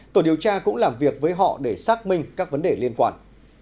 tổ điều tra cũng làm việc với họ để xác minh các vấn đề liên quan